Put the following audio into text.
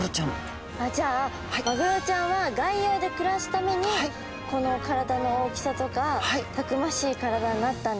じゃあマグロちゃんは外洋で暮らすためにこの体の大きさとかたくましい体になったんですね。